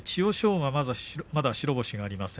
馬はまだ白星がありません。